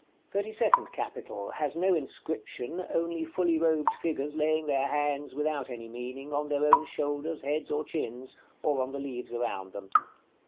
THIRTY SECOND CAPITAL. Has no inscription, only fully robed figures laying their hands, without any meaning, on their own shoulders, heads, or chins, or on the leaves around them.